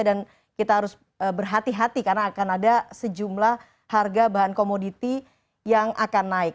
dan kita harus berhati hati karena akan ada sejumlah harga bahan komoditi yang akan naik